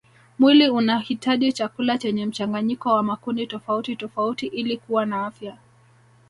Mwili unahitaji chakula chenye mchanganyiko wa makundi tofauti tofauti ili kuwa na afya